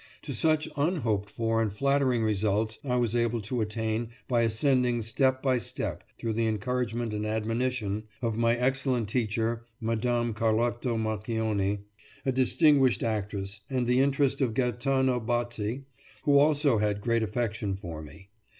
To such unhoped for and flattering results I was able to attain, by ascending step by step through the encouragement and admonition of my excellent teacher, Madame Carlotta Marchionni, a distinguished actress, and the interest of Gaetano Bazzi who also had great affection for me.